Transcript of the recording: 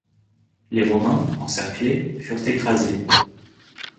Les Romains, encerclés, furent écrasés.